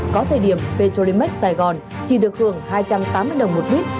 có thời điểm petrolimax sài gòn chỉ được hưởng hai trăm tám mươi đồng một lít